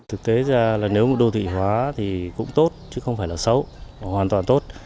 thực tế ra là nếu một đô thị hóa thì cũng tốt chứ không phải là xấu hoàn toàn tốt